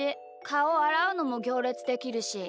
かおあらうのもぎょうれつできるし。